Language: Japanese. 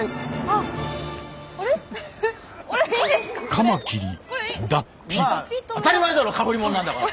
カマキリ当たり前だろうかぶり物なんだから。